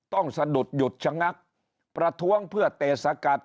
สะดุดหยุดชะงักประท้วงเพื่อเตะสกัด